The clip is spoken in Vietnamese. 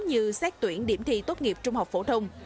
như xét tuyển điểm thi tốt nghiệp trung học phổ thông